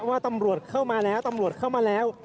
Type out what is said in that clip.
ว่าตำรวจเข้ามาแล้วตำรวจเข้ามาแล้ว